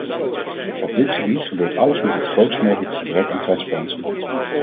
Op dit gebied gebeurt alles met het grootst mogelijke gebrek aan transparantie.